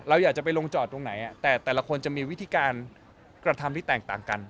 อยากจะไปลงจอดตรงไหนแต่แต่ละคนจะมีวิธีการกระทำที่แตกต่างกัน